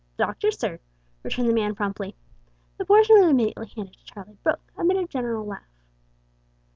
"The Doctor, sir," returned the man promptly. The portion was immediately handed to Charlie Brooke amid a general laugh.